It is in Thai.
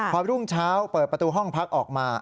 พอรุ่งเช้าเปิดประตูห้องพักออกมา